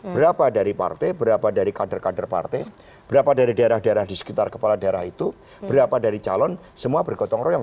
berapa dari partai berapa dari kader kader partai berapa dari daerah daerah di sekitar kepala daerah itu berapa dari calon semua bergotong royong